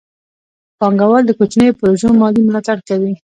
پانګه وال د کوچنیو پروژو مالي ملاتړ کوي.